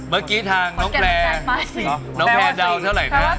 เมื่อกี้ทางน้องแพร่น้องแพลร์เดาเท่าไหร่คะ